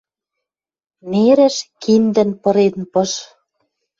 Нерӹш киндӹн пырен пыш.